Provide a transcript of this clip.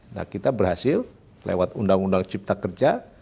nah kita berhasil lewat undang undang cipta kerja